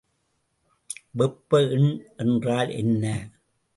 வெப்ப எண் என்றால் என்ன?